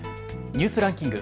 ニュースランキング。